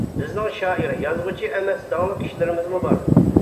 بىزنىڭ شائىر، يازغۇچى ئەمەس داڭلىق كىشىلىرىمىزمۇ بار.